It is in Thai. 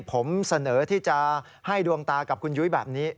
ผมเสนอที่จะให้ดวงตากับคุณยุ้ยแบบนี้